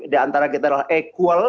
di antara kita adalah equal